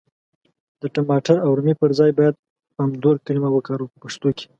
د ټماټر او رومي پر ځای بايد پامدور کلمه وکاروو په پښتو کي.